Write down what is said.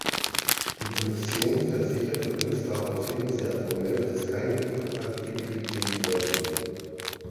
Die Kommission versicherte uns daraufhin sehr formell, dass keine Inkompatibilität vorläge.